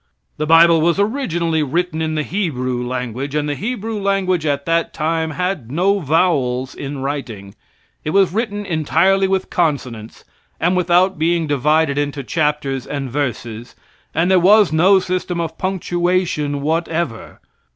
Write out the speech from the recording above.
The bible was originally written in the Hebrew language, and the Hebrew language at that time had no vowels in writing. It was written entirely with consonants, and without being divided into chapters and verses, and there was no system of punctuation whatever.